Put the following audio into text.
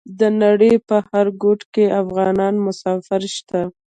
د نړۍ په هر ګوټ کې افغانان مسافر شته.